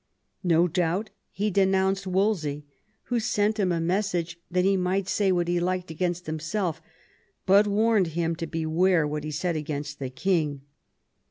No doubt he denounced "Wolsey, who sent him a message that he might say what he liked against himself, but warned him to beware what he said against the king.